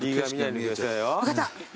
分かった。